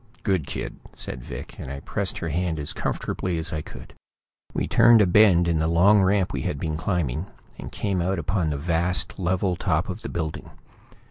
"Good kid!" said Vic, and I pressed her hand as comfortably as I could. We turned a bend in the long ramp we had been climbing, and came out upon the vast, level top of the building.